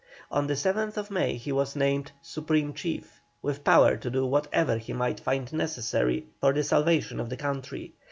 On the 7th May he was named "Supreme Chief," with power to do whatever he might find necessary for the salvation of the country.